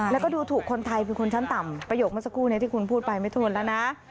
แล้วก็ดูถูกคนไทยเป็นคนชั้นต่ำประโยคเมื่อสักครู่นี้ที่คุณพูดไปไม่ทวนแล้วนะ